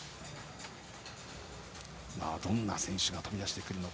どんな選手が飛び出してくるか。